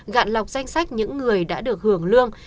gạt lọc danh sách những người đã được hưởng lương